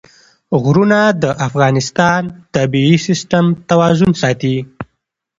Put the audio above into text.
غرونه د افغانستان د طبعي سیسټم توازن ساتي.